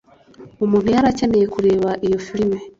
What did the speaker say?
umuntu yari akeneye kureba iyo filime